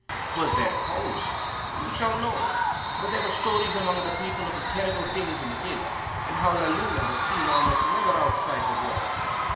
Was there cause? Who shall know? But there were stories among the people of terrible things in the villa, and how La Luna was seen almost never outside the walls.